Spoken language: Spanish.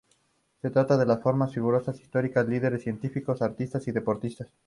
Se trata de las famosas figuras históricas: líderes, científicos, artistas y deportistas.